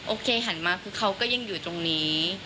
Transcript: หันมาคือเขาก็ยังอยู่ตรงนี้